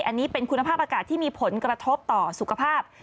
อันนี้เป็นคุณภาพอากาศที่มีผลกระทบต่อสุขภาพ